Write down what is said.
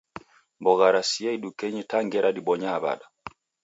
Mbogha rasia idukenyi ta ngera dibonyaa w'ada